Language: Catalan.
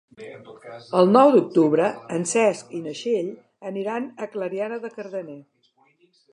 El nou d'octubre en Cesc i na Txell aniran a Clariana de Cardener.